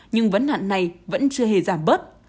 nhưng vấn hạn này vẫn chưa hề giảm bớt